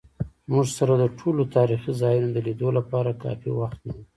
موږ سره د ټولو تاریخي ځایونو د لیدو لپاره کافي وخت نه و.